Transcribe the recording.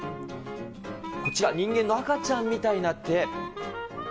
こちら、人間の赤ちゃんみたいな手。